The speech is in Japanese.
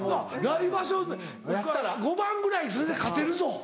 来場所５番ぐらいそれで勝てるぞ。